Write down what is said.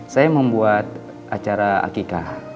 saya mau buat acara akika